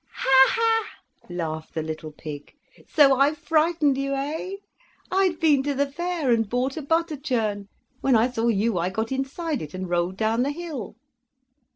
"Ha! ha!" laughed the little pig; "so I frightened you, eh? I had been to the fair and bought a butter churn; when I saw you I got inside it and rolled down the hill."